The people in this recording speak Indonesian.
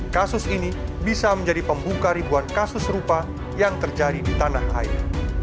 kasus ini bisa menjadi pembuka ribuan kasus serupa yang terjadi di tanah air